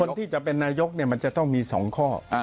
คนที่จะเป็นนายกมันจะต้องมี๒ข้อ